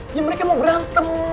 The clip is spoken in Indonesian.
ya mereka mau berantem